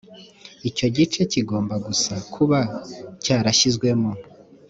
icyo gice kigomba gusa kuba cyarashyizwemo